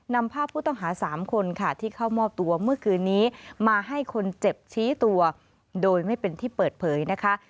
นำภาพผู้ต้องหา๓คนค่ะที่เข้ามอบตัวเมื่อคืนนี้มาให้คนเจ็บชี้ตัวโดยไม่เป็นที่เปิดเผยนะคะ